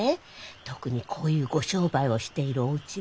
特にこういうご商売をしているおうちは。